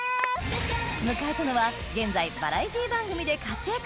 迎えたのは現在バラエティー番組で活躍